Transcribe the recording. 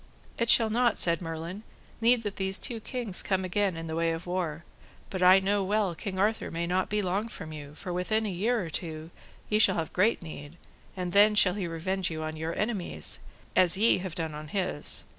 It shall not, said Merlin, need that these two kings come again in the way of war, but I know well King Arthur may not be long from you, for within a year or two ye shall have great need, and then shall he revenge you on your enemies, as ye have done on his.